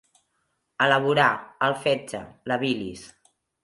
Elaborar, el fetge, la bilis.